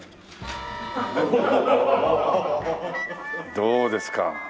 どうですか？